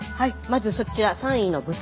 まずそちら３位の豚。